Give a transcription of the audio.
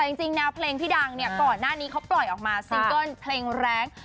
แต่จริงแนวเพลงพี่ดังเนี่ยก่อนหน้านี้เขาปล่อยออกมาซิงเกิ้ลเพลงแรง